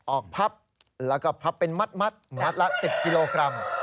พับแล้วก็พับเป็นมัดมัดละ๑๐กิโลกรัม